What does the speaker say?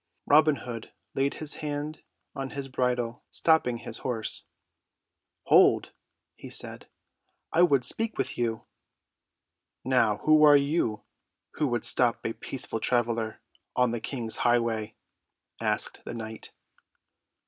Robin Hood laid his hand on his bridle, stopping his horse. "Hold," he said. "I would speak with you." "Now who are you who would stop a peaceful traveler on the king's highway?" asked the knight.